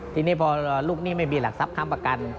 ทีนี้พอลูกหนี้ไม่มีหลักทรัพย์ค้ำประกัน